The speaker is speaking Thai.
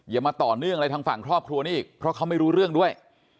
อย่ามาต่อเนื่องอะไรทางฝั่งครอบครัวนี้อีกเพราะเขาไม่รู้เรื่องด้วย